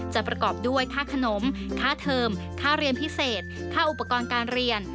ประกอบด้วยค่าขนมค่าเทอมค่าเรียนพิเศษค่าอุปกรณ์การเรียน